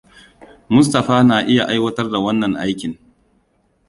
Mustapha na iya aiwatar da wannan aikin.